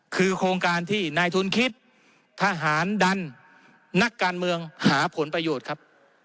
คือโครงการที่นายทุนคิดทหารดันนักการเมืองหาผลประโยชน์ครับ